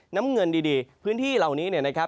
น้ำเงินดีพื้นที่เหล่านี้เนี่ยนะครับ